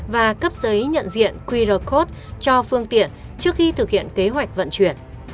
và cấp giấy nhận diện qr code cho phương tiện trước khi thực hiện kế hoạch vận chuyển